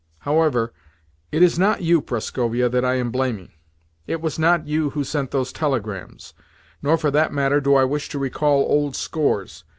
However, it is not you, Prascovia, that I am blaming; it was not you who sent those telegrams. Nor, for that matter, do I wish to recall old scores.